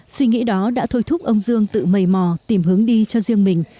suy nghĩ đó đã thôi thúc ông dương tự mầy mò tìm hướng đi cho riêng mình